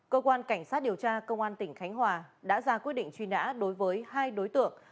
cơ quan cảnh sát điều tra công an tỉnh khánh hòa đã ra quyết định truy nã đối với hai đối tượng